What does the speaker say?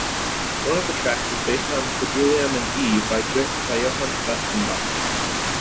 One of the tracks is based on "Preludium in E" by Johann Sebastian Bach.